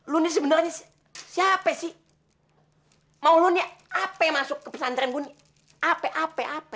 lo nih sebenernya siapa sih mau lo nih apa yang masuk ke pesantren gue nih apa apa apa